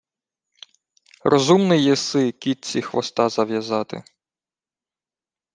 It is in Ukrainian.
— Розумний єси кітці хвоста зав'язати.